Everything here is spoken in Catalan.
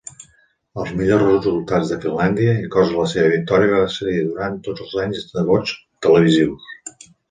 Els millors resultats de Finlàndia, inclosa la seva victòria van ser durant tots els anys de vots televisius.